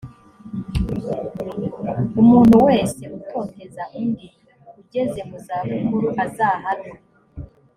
umuntu wese utoteza undi ugeze mu zabukuru azahanwe